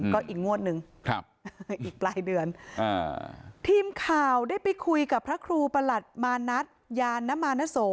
ก็อีกงวดหนึ่งอีกปลายเดือนทีมข่าวได้ไปคุยกับพระครูประหลัดมานัทยานนมานโส